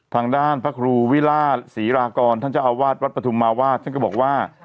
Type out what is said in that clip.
ทางด้านพระครูวิราชศรีรากรท่านเจ้าอาวาสวัดปฐุมมาวาดท่านก็บอกว่า